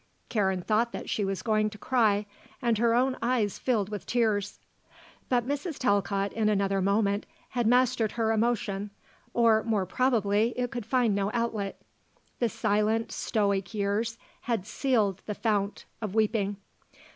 Karen thought that she was going to cry and her own eyes filled with tears. But Mrs. Talcott in another moment had mastered her emotion, or, more probably, it could find no outlet. The silent, stoic years had sealed the fount of weeping.